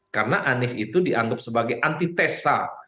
karena anies itu dianggap sebagai antitesa